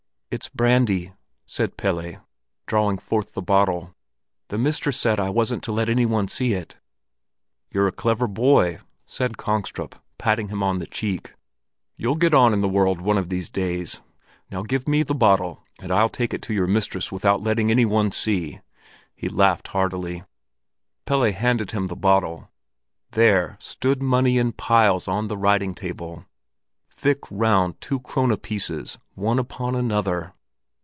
"It's brandy," said Pelle, drawing forth the bottle. "The mistress said I wasn't to let any one see it." "You're a clever boy," said Kongstrup, patting him on the cheek. "You'll get on in the world one of these days. Now give me the bottle and I'll take it out to your mistress without letting any one see." He laughed heartily. Pelle handed him the bottle—there stood money in piles on the writing table, thick round two krone pieces one upon another!